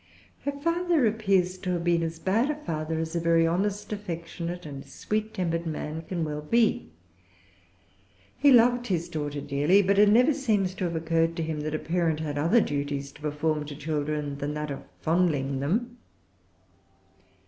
Her father appears to have been as bad a father as a very honest, affectionate, and sweet tempered man can well be. He loved his daughter dearly; but it never seems to have occurred to him that a parent had other duties to perform to children than that of fondling them.